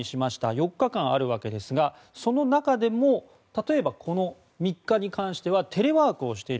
４日間あるわけですがその中でも例えば３日に関してはテレワークをしている。